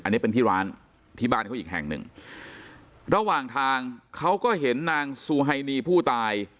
อันนี้เป็นที่ร้านที่บ้านเขาอีกแห่งหนึ่งระหว่างทางเขาก็เห็นนางซูไฮนีผู้ตาย